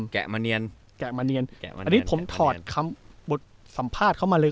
แกะมาเนียนอันนี้ผมถอดคำบทสัมภาษณ์เข้ามาเลย